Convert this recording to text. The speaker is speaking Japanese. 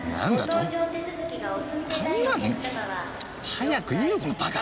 早く言えよこのバカ！